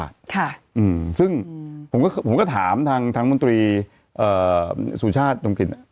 ผมก็ถามทางมันตรีสูญชาติซมกิน